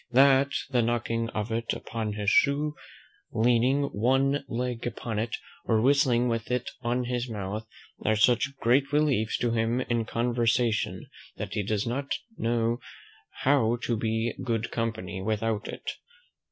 "That the knocking of it upon his shoe, leaning one leg upon it, or whistling with it on his mouth, are such great reliefs to him in conversation, that he does not know how to be good company without it.